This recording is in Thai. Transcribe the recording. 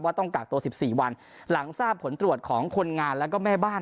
ต้องกักตัว๑๔วันหลังทราบผลตรวจของคนงานแล้วก็แม่บ้าน